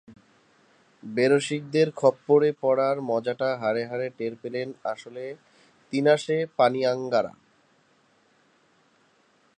বেরসিকদের খপ্পরে পড়ার মজাটা হাড়ে হাড়ে টের পেলেন আসলে তিনাশে পানিয়াঙ্গারা।